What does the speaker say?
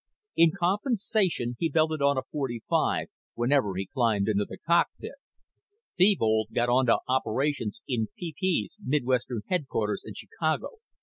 In compensation, he belted on a .45 whenever he climbed into the cockpit. Thebold got onto Operations in PP's midwestern headquarters in Chicago.